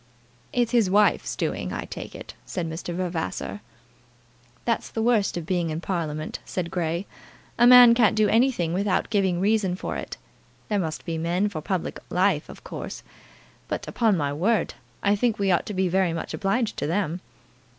"It's his wife's doing, I take it," said Mr. Vavasor. "That's the worst of being in Parliament," said Grey. "A man can't do anything without giving a reason for it. There must be men for public life, of course; but, upon my word, I think we ought to be very much obliged to them."